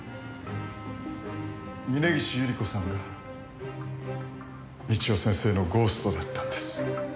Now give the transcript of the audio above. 峰岸百合子さんが美千代先生のゴーストだったんです。